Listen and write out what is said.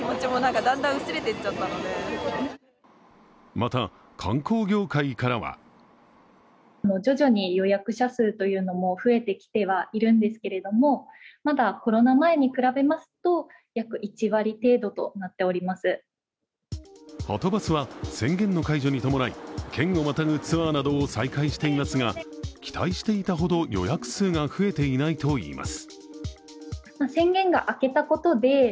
また、観光業界からははとバスは宣言の解除に伴い、県をまたぐツアーなどを再開していますが、期待していたほど予約数が増えていないといいます。